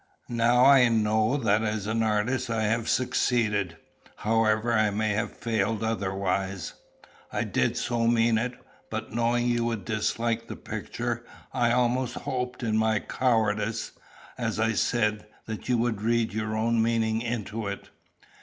"Now I know that as an artist I have succeeded, however I may have failed otherwise. I did so mean it; but knowing you would dislike the picture, I almost hoped in my cowardice, as I said, that you would read your own meaning into it."